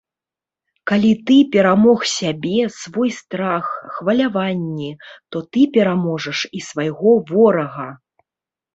Калі ты перамог сябе, свой страх, хваляванні, то ты пераможаш і свайго ворага.